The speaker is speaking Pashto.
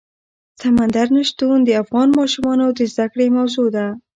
سمندر نه شتون د افغان ماشومانو د زده کړې موضوع ده.